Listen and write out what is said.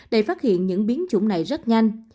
để phát hiện những biến chủng này rất nhanh